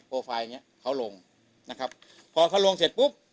นี้เขาลงนะครับพอเขาลงเสร็จปลู๊บ